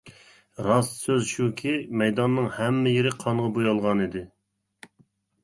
راست سۆز شۇكى مەيداننىڭ ھەممە يېرى قانغا بويالغانىدى.